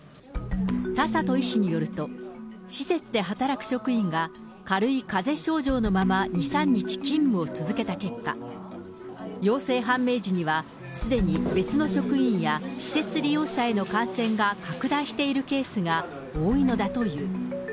田里医師によると、施設で働く職員が軽いかぜ症状のまま２、３日、勤務を続けた結果、陽性判明時にはすでに別の職員や施設利用者への感染が拡大しているケースが多いのだという。